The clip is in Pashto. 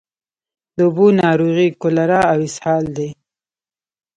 د اوبو ناروغۍ کالرا او اسهال دي.